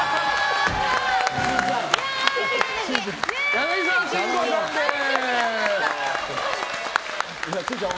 柳沢慎吾さんです。